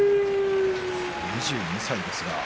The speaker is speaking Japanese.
２２歳です。